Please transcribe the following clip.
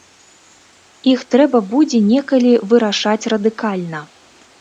Іх трэба будзе некалі вырашаць радыкальна.